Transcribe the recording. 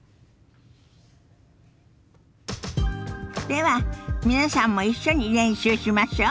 では皆さんも一緒に練習しましょ。